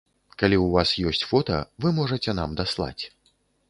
Калі ў вас ёсць фота, вы можаце нам даслаць.